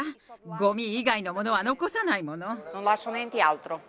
ごみ以外のものは残さないもの。